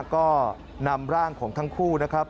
ก็นำร่างของทั้งคู่นะครับ